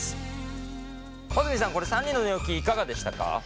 穂積さんこれ３人の寝起きいかがでしたか？